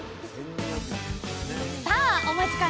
さあお待ちかね！